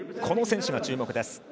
この選手が注目です。